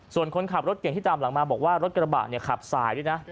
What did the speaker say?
ส่วนคนขับรถเก่งที่ตามหลังมาบอกว่ารถกระบะเนี่ยขับสายด้วยนะ